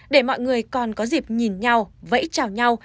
để mọi người còn có dịp nhìn nhau vẫy chào nhau